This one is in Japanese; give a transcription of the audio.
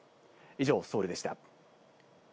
以上、ソウルでした。